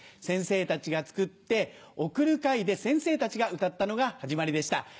先生たちが作って「送る会」で先生たちが歌ったのが始まりでした。